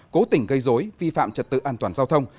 cố tình gây dối vi phạm trật tự an toàn giao thông